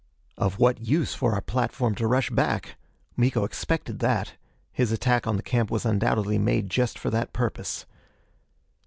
Of what use for our platform to rush back? Miko expected that. His attack on the camp was undoubtedly made just for that purpose.